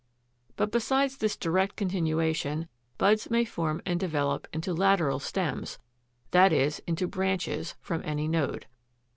But besides this direct continuation, buds may form and develop into lateral stems, that is, into branches, from any node.